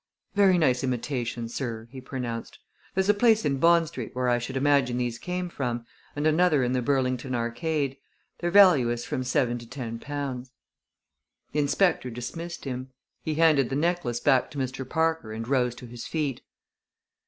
"Very nice imitation, sir," he pronounced. "There's a place in Bond Street where I should imagine these came from, and another in the Burlington Arcade. Their value is from seven to ten pounds." The inspector dismissed him. He handed the necklace back to Mr. Parker and rose to his feet.